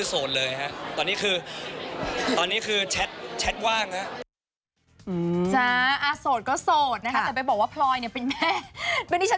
โสดครับตอนนี้คือโสดเลยฮะ